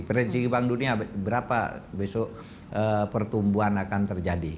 prediksi bank dunia berapa besok pertumbuhan akan terjadi